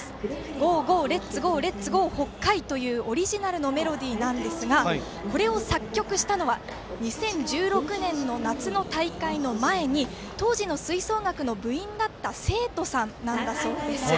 ゴーゴーレッツゴーレッツゴー、北海！というオリジナルのメロディーですがこれを作曲したのは２０１６年の夏の大会の前に当時の吹奏楽の部員だった生徒さんだそうです。